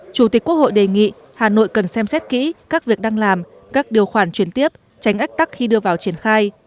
chủ tịch quốc hội đề nghị hà nội cần xem xét kỹ các việc đang làm các điều khoản chuyển tiếp tránh ách tắc khi đưa vào triển khai